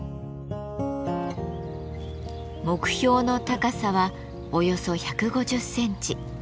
目標の高さはおよそ１５０センチ。